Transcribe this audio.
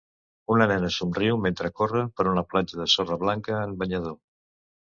Una nena somriu mentre corre per una platja de sorra blanca en banyador.